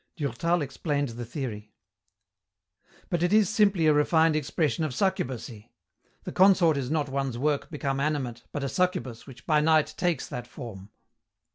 Durtal explained the theory. "But it is simply a refined expression of succubacy. The consort is not one's work become animate, but a succubus which by night takes that form."